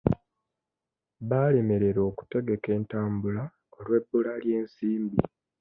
Baalemererwa okutegeka entambula lw'ebbula ly'ensimbi.